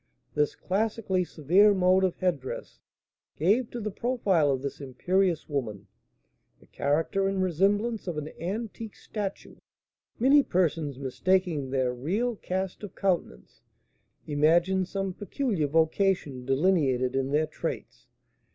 This classically severe mode of head dress gave to the profile of this imperious woman the character and resemblance of an antique statue. Many persons, mistaking their real cast of countenance, imagine some peculiar vocation delineated in their traits.